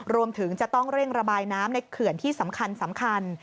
รวมถึงจะต้องเร่งระบายน้ำในเขื่อนที่สำคัญ